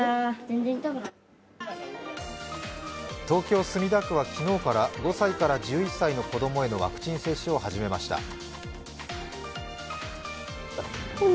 東京・墨田区は昨日から５歳から１１歳の子供へのワクチン接種を始めました。